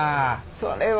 それは。